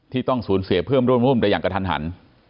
ที่ต้องสูญเสพิ่มร่วมได้อย่างกระทัน